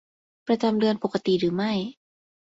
ประจำเดือนปกติหรือไม่